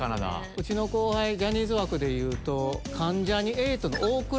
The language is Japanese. うちの後輩ジャニーズ枠で言うと。